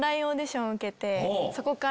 そこから。